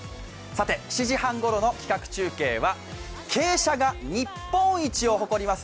７時半ごろの企画中継は傾斜が日本一を誇ります